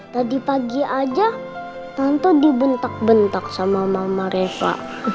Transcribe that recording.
tadi pagi aja tanto dibentak bentak sama mama reva